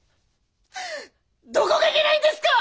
どこがいけないんですか！